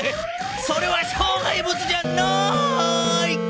それはしょう害物じゃない！